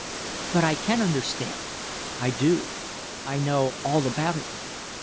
"But I can understand. I do. I know all about it now.